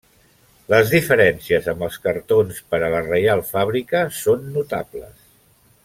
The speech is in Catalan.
Les diferències amb els cartons per a la Reial Fàbrica són notables.